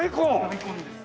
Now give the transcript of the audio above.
大根です。